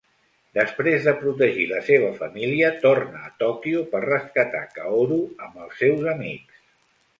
Després de protegir la seva família, torna a Tòquio per rescatar Kaoru amb els seus amics.